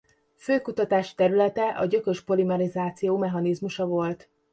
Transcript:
Fő kutatási területe a gyökös polimerizáció mechanizmusa volt.